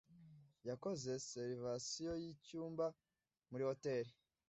Yakoze reservation yicyumba muri hoteri.